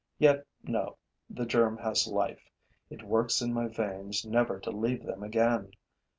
Yet no, the germ has life; it works in my veins, never to leave them again.